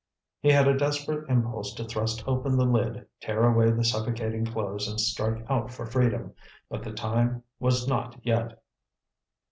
He had a desperate impulse to thrust open the lid, tear away the suffocating clothes and strike out for freedom. But the time was not yet.